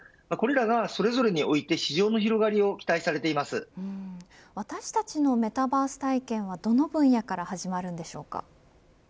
これらがそれぞれにおいて市場の広がりを私たちのメタバース体験はどの分野から始まるのでしょうか。